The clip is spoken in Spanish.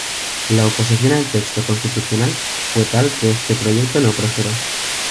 La oposición al texto constitucional fue tal que este proyecto no prosperó.